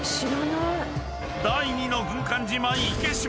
第２の軍艦島、池島。